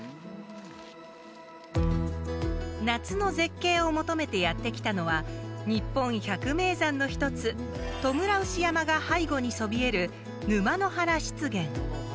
夏の絶景を求めてやってきたのは日本百名山の１つトムラウシ山が背後にそびえる沼ノ原湿原。